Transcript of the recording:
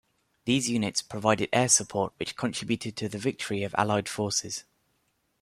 These units provided air support which contributed to the victory of allied forces.